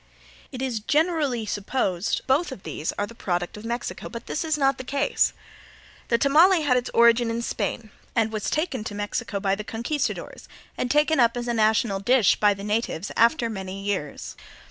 It is generally supposed that both of these are the product of Mexico, but this is not the case. The tamale had its origin in Spain and was carried to Mexico by the conquistadors, and taken up as a national dish by the natives after many years.